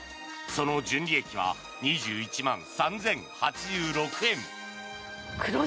その純利益は２１万３０８６円。